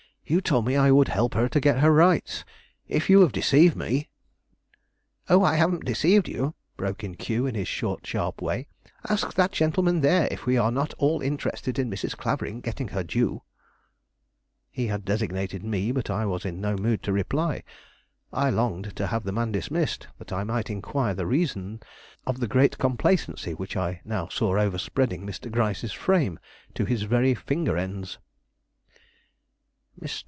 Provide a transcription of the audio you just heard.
You told me I would help her to get her rights; if you have deceived me " "Oh, I haven't deceived you," broke in Q, in his short, sharp way. "Ask that gentleman there if we are not all interested in Mrs. Clavering getting her due." He had designated me; but I was in no mood to reply. I longed to have the man dismissed, that I might inquire the reason of the great complacency which I now saw overspreading Mr. Gryce's frame, to his very finger ends. "Mr.